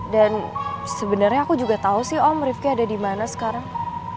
dan sebenernya aku juga tau sih om rifki ada dimana sekarang